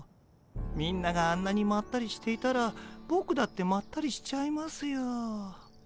みんながあんなにまったりしていたらボクだってまったりしちゃいますよ。